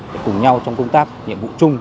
để cùng nhau trong công tác nhiệm vụ chung